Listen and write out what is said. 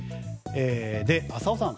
浅尾さん